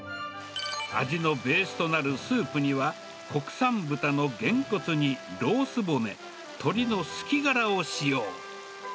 味のベースとなるスープには、国産豚のゲンコツにロース骨、鶏のスキガラを使用。